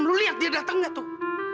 lu lihat dia datang gak tuh